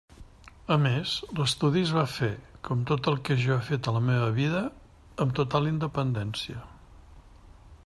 A més, l'estudi es va fer, com tot el que jo he fet a la meva vida, amb total independència.